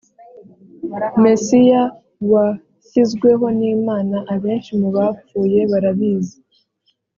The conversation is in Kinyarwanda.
mesiya washyizweho n imana abenshi mu bapfuye barabizi